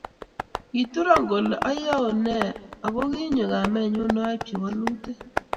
Kituro kole ayoenee akokinyo kamenyu aibchi walutik